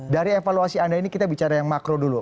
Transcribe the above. dari evaluasi anda ini kita bicara yang makro dulu